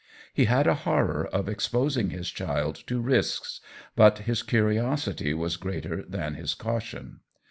He had a horror of exposing his child to risks, but his curiosity was greater than his cau tion.